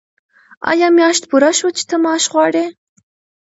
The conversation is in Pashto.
آیا میاشت پوره شوه چې ته معاش غواړې؟